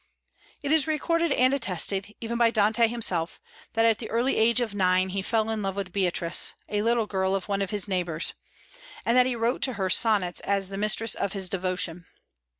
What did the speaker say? It is recorded and attested, even by Dante himself, that at the early age of nine he fell in love with Beatrice, a little girl of one of his neighbors, and that he wrote to her sonnets as the mistress of his devotion.